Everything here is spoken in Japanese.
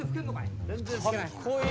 かっこいい。